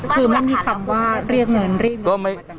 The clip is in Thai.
คือมันมีคำว่าเรียกเหนิน